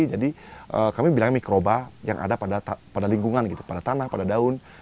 kami menggunakan mikroba yang ada pada lingkungan pada tanah pada daun